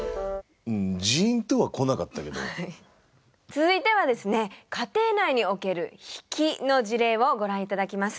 続いてはですね家庭内における引きの事例をご覧頂きます。